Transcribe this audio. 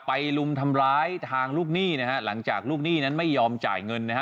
ลุมทำร้ายทางลูกหนี้นะฮะหลังจากลูกหนี้นั้นไม่ยอมจ่ายเงินนะฮะ